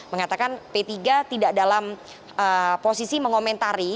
mengatakan p tiga tidak dalam posisi mengomentari